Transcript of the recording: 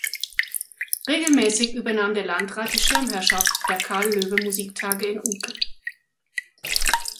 Regelmäßig übernahm der Landrat die Schirmherrschaft der Carl-Loewe-Musiktage in Unkel.